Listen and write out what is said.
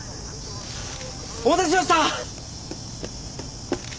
お待たせしました！